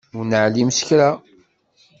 Ur neεlim s kra.